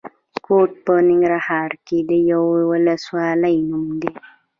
کوټ په ننګرهار کې د یوې ولسوالۍ نوم دی.